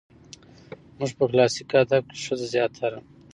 زموږ په کلاسيک ادب کې ښځه زياتره